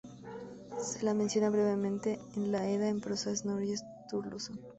Se la menciona brevemente en la Edda en prosa de Snorri Sturluson.